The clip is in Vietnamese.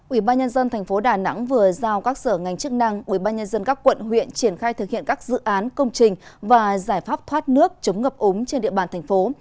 ubnd tp đà nẵng vừa giao các sở ngành chức năng ubnd các quận huyện triển khai thực hiện các dự án công trình và giải pháp thoát nước chống ngập úng trên địa bàn thành phố